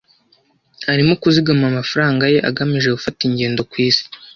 Arimo kuzigama amafaranga ye agamije gufata ingendo ku isi.